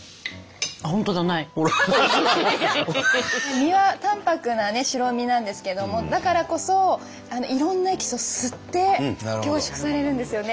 身は淡泊なね白身なんですけどもだからこそいろんなエキスを吸って凝縮されるんですよね。